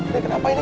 nah kenapa ini